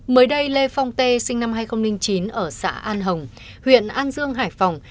mới đây lê phong tê sinh năm hai nghìn chín ở xã an hồng huyện an dương hải phòng